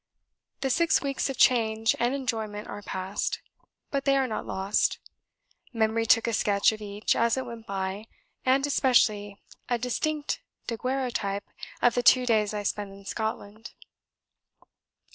The six weeks of change and enjoyment are past, but they are not lost; memory took a sketch of each as it went by, and, especially, a distinct daguerreotype of the two days I spent in Scotland.